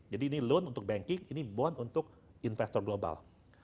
jadi ini loan untuk banking ini bond untuk investor global